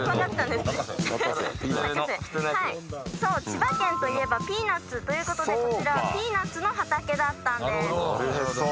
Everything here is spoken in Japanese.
千葉県といえばピーナッツということでこちらはピーナッツの畑だったんです。